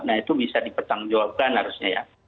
nah itu bisa dipertanggungjawabkan harusnya ya